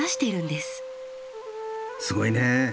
すごいね。